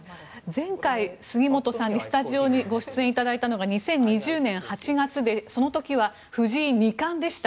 前回、杉本さんにスタジオにご出演いただいたのが２０２０年８月でその時は藤井二冠でした。